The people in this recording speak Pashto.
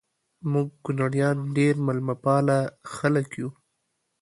مونږ کونړیان ډیر میلمه پاله خلک یو